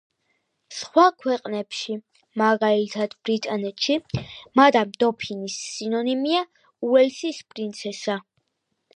სხვა ქვეყნებში, მაგალითად ბრიტანეთში, მადამ დოფინის სინონიმია უელსის პრინცესა.